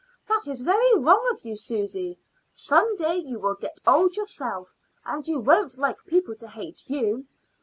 "That is very wrong of you, Susy. Some day you will get old yourself, and you won't like people to hate you."